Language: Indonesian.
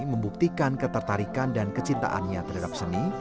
membuktikan ketertarikan dan kecintaannya terhadap seni